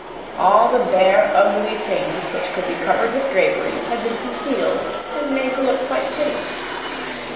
All the bare, ugly things which could be covered with draperies had been concealed and made to look quite pretty.